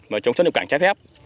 và chống xuất nhập cảnh trái phép